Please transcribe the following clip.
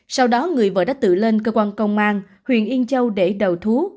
sau đó người vợ đã tự lên cơ quan công an huyện yên châu để đầu thú